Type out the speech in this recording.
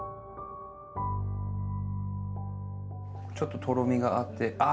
ちょっととろみがあってあ。